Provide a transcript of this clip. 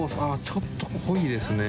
「ちょっと濃いですね」